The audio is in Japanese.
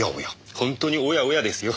本当に「おやおや」ですよ。